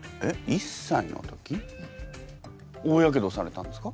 １歳の時大やけどされたんですか？